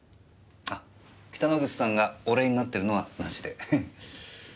あ北之口さんが俺になっているのは無しで。